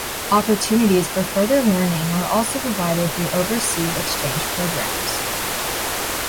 Opportunities for further learning are also provided through overseas exchange programmes.